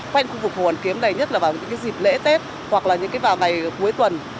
quen khu vực hồ hoàn kiếm này nhất là vào những dịp lễ tết hoặc là vào ngày cuối tuần